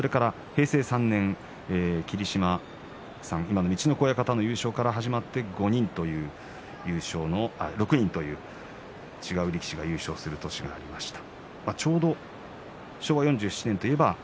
平成３年霧島、陸奥親方の優勝から始まって６人という違う力士が優勝する年がありました。